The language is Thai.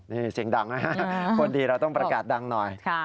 นี่เสียงดังนะฮะคนดีเราต้องประกาศดังหน่อย